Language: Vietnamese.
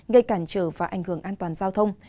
gây cản trở và ảnh hưởng an toàn giao thông